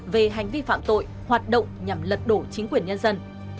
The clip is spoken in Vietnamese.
về hành vi phạm tội hoạt động nhằm lật đổ chính quyền nhân dân